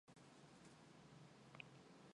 Ам султай нэг нь ээж аавдаа тэсгэлгүй хэлчихнэ.